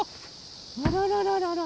あららららら。